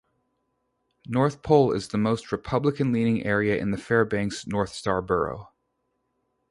North Pole is the most Republican-leaning area in the Fairbanks North Star Borough.